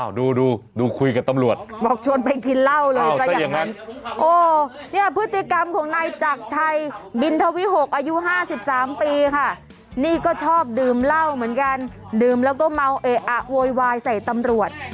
อ่าวดูดูคุยกับตำรวจบอกชวนไปกินเหล้าเลยพฤติกรรมของนายจากชัยบินทวิหกอายุห้าสิบสามปีค่ะนี่ก็ชอบดื่มเหล้าเหมือนกันดื่มแล้วก็เมาเอะอะโวยวายใส่ตำรวจ